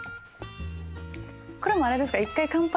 これもうあれですか？